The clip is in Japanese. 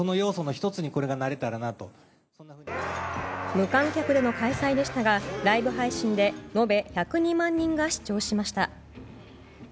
無観客での開催でしたがライブ配信で延べ１０２万人が視聴しました。